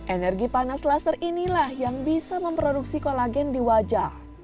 energi panas laser inilah yang bisa memproduksi kolagen di wajah